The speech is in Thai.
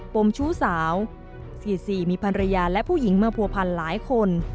มชู้สาว๔๔มีภรรยาและผู้หญิงมาผัวพันหลายคน